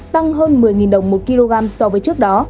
tăng hơn một mươi đồng một kg so với trước đó